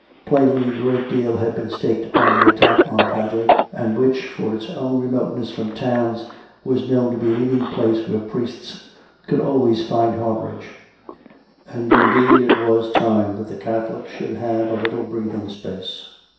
Plainly a great deal had been staked upon the attack on Padley, which, for its remoteness from towns, was known to be a meeting place where priests could always find harbourage. And, indeed, it was time that the Catholics should have a little breathing space.